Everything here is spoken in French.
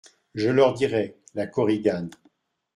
Je leur dirai … LA KORIGANE.